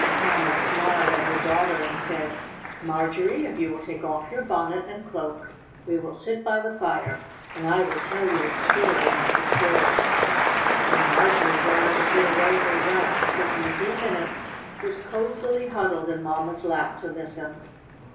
Mamma smiled at her daughter, and said: "Marjorie, if you will take off your bonnet and cloak we will sit by the fire, and I will tell you a story about the squirrels." So Marjorie ran to put away her wraps, and in a few minutes was cozily cuddled in mamma's lap to listen.